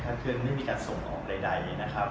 เครื่องไม่มีการส่งออกใดนะครับ